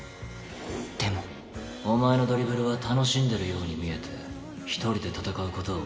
でもお前のドリブルは楽しんでるように見えて１人で戦う事を恐れてる。